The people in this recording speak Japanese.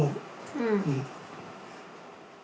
うん。